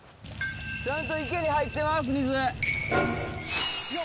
ちゃんと池に入ってます水！